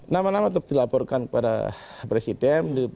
nama nama dilaporkan kepada presiden